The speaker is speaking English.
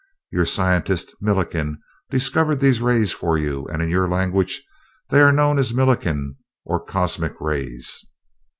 Your scientist Millikan discovered these rays for you, and in your language they are known as Millikan, or Cosmic, rays.